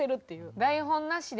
台本なしで？